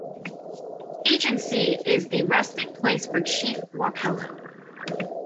Agency is the resting place for Chief Wapello.